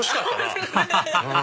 アハハハ